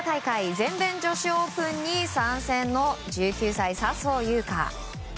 全米女子オープンに参戦の１９歳、笹生優花。